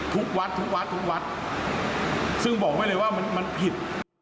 ทุกวัดซึ่งบอกไว้เลยว่ามันผิด